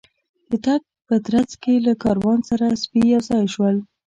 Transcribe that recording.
د تګ په ترڅ کې له کاروان سره سپي یو ځای شول.